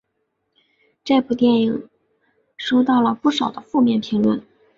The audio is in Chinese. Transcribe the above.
这部电影收到了不少的负面评价。